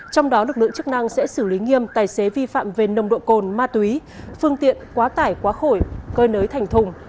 trong đó lực lượng chức năng sẽ xử lý nghiêm tài xế vi phạm về nồng độ cồn ma túy phương tiện quá tải quá khổ cơi nới thành thùng